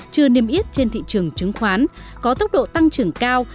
chưa niêm yết trên thị trường chứng khoán có tốc độ tăng trưởng cao